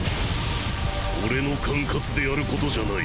俺の管轄でやる事じゃない。